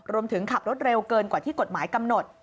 ขับรถเร็วเกินกว่าที่กฎหมายกำหนด